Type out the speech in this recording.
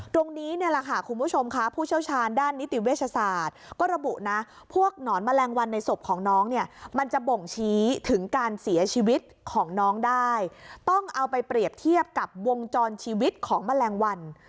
ตรงนี้เนี่ยแหละค่ะคุณผู้ชมค่ะผู้เชี่ยวชาญด้านนิติเวชศาสตร์ก็ระบุนะพวกหนอนแมลงวันในศพของน้องเนี่ยมันจะบ่งชี้ถึงการเสียชีวิตของน้องได้ต้องเอาไปเปรียบเทียบกับวงจรชีวิตของแมลงวัน